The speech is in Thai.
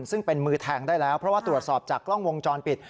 ซึ่งเป็นมือแทงได้แล้วเพราะว่าตรวจสอบจากกล้องวงจรปิด